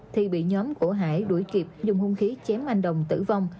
thì bị nhóm của hải đuổi kịp dùng hôn khí chém anh đồng tử vong